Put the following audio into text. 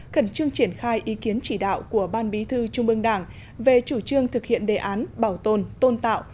khẩn trương triển khai ý kiến chỉ đạo của ban bí thư trung ương đảng về chủ trương thực hiện đề án bảo tồn tôn tạo